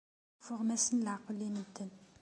Tessuffɣem-asen leɛqel i medden.